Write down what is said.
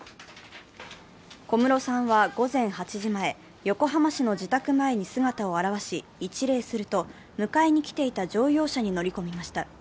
小室さんは午前８時前横浜市の自宅前に姿を現し一礼すると、迎えに来ていた乗用車に乗り込みました。